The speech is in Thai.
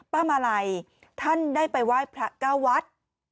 มาลัยท่านได้ไปไหว้พระเก้าวัด